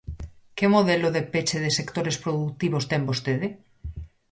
¿Que modelo de peche de sectores produtivos ten vostede?